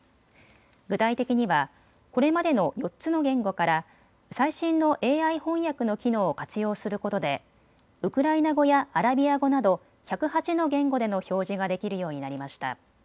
具体的にはこれまでの４つの言語から最新のＡＩ翻訳の機能を活用することでウクライナ語やアラビア語など１０８の言語での表示ができるようになりました。